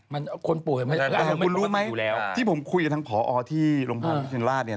แต่คุณรู้ไหมที่ผมคุยกับทางผอที่โรงพยาบาลวิทยาลัยราชเนี่ย